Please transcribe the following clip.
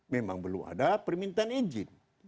memang belum ada permintaan izin